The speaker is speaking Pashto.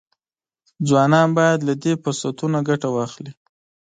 ځوانان باید له دې فرصتونو ګټه واخلي.